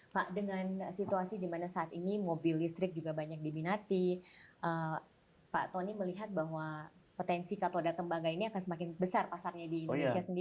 pak dengan situasi dimana saat ini mobil listrik juga banyak diminati pak tony melihat bahwa potensi katoda tembaga ini akan semakin besar pasarnya di indonesia sendiri